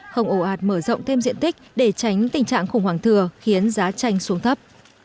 không ổ ạt mở rộng thêm diện tích để tránh tình trạng khủng hoảng thừa khiến giá chanh xuống thấp